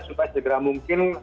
supaya segera mungkin